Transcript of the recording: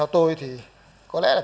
tôi thì có lẽ là chúng ta khẳng định